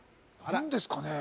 何ですかね？